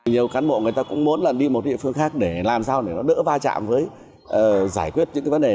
nhiều cán bộ người ta cũng muốn là đi một địa phương khác để làm sao để nó đỡ va chạm với giải quyết những cái vấn đề